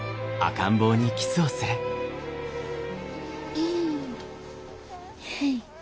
うんはい。